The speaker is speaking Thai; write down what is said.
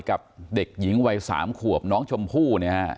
กับเด็กหญิงวัย๓ขวบน้องชมพู่เนี่ยฮะ